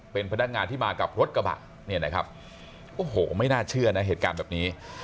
เป็นพนักงานที่มากับรถกระบะเนี่ยนะครับโอ้โหไม่น่าเชื่อนะเหตุการณ์แบบนี้